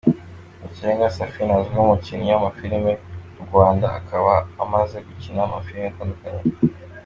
Kirenga Saphine azwi nk’umukinnyi w’amafilime mu Rwanda, akaba amaze gukina amafilime atandukanye.